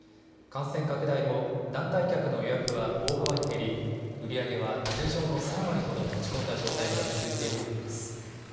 感染拡大後、団体客の予約は大幅に減り売り上げは通常の３割ほどに落ち込んだ状態が続いているといいます。